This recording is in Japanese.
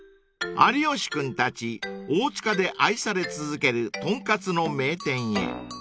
［有吉君たち大塚で愛され続けるとんかつの名店へ］